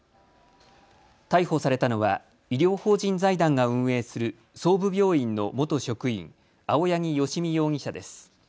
逮捕されたのは医療法人財団が運営する相武病院の元職員、青柳好美容疑者です。